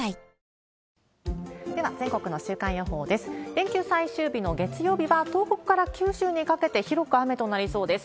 連休最終日の月曜日は、東北から九州にかけて広く雨となりそうです。